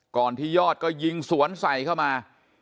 ก่อนที่ยอดก็ยิงสวนใส่เข้ามา